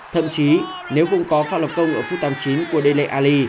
thậm chí nếu không có phát lập công ở phút tám mươi chín của dele alli